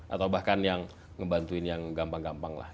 atau bahkan yang ngebantuin yang gampang gampang lah